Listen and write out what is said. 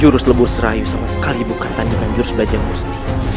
jurus lebuh serayu sama sekali bukan tanjuan jurus belajar musti